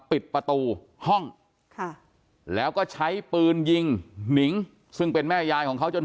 ปิดประตูห้องแล้วก็ใช้ปืนยิงหนิงซึ่งเป็นแม่ยายของเขาจน